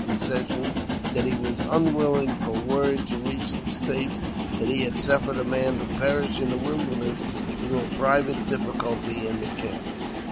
61 concession that he was unwilhng for word to reach the States that he had suffered a man to perish in the wilderness through a private difificulty in the camp.